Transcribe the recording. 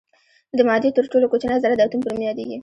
د مادې تر ټولو کوچنۍ ذره د اتوم په نوم یادیږي.